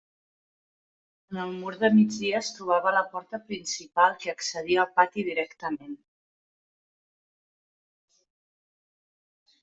En el mur de migdia es trobava la porta principal que accedia al pati directament.